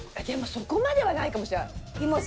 でもそこまではないかもしれない。